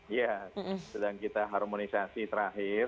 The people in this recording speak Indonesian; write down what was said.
iya sedang kita harmonisasi terakhir